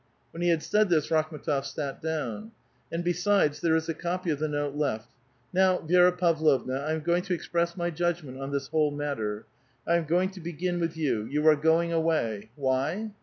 When he had said this, Rakhm^ tof sut down. ''And besides, there is a copy of the note left. Now, Vi^ra Pavlovna, 1 am goiug to express my judg ment on this whole matter. I am going to begin with jou. You are going away. Why?"